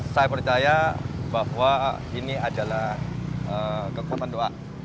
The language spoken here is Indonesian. saya percaya bahwa ini adalah kekuatan doa